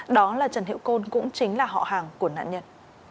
đó là trần hiệu côn cũng chính là họ hàng của nạn nhân